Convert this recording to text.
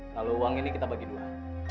kalau uang ini kita bagi dua